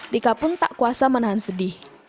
tika pun tak kuasa menahan sedih